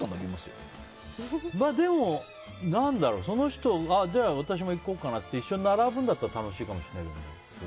でも、その人がじゃあ、私も行こうかなって一緒に並ぶんだったら楽しいかもしれないけど。